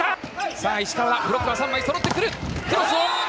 さあ、石川が、ブロックが３枚そろってくる。